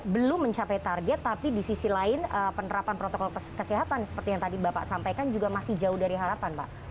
belum mencapai target tapi di sisi lain penerapan protokol kesehatan seperti yang tadi bapak sampaikan juga masih jauh dari harapan pak